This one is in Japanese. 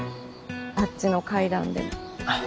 あっちの階段でも。